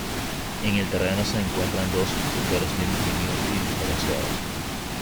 En el terreno se encuentran dos sectores bien definidos y diferenciados.